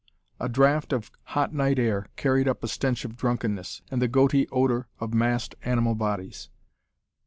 A draught of hot night air carried up a stench of drunkenness, and the goaty odor of massed animal bodies.